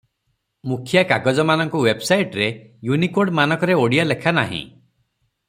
ମୁଖିଆ କାଗଜମାନଙ୍କ ୱେବସାଇଟରେ ଇଉନିକୋଡ଼ ମାନକରେ ଓଡ଼ିଆ ଲେଖା ନାହିଁ ।